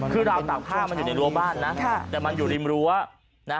คือราวตากผ้ามันอยู่ในรั้วบ้านนะแต่มันอยู่ริมรั้วนะ